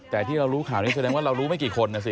แต่ที่เรารู้ข่าวนี้แสดงว่าเรารู้ไม่กี่คนนะสิ